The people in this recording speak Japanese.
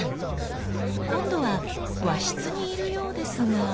今度は和室にいるようですが。